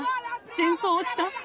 戦争をした？